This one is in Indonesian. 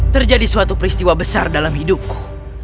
terjadi suatu peristiwa besar dalam hidupku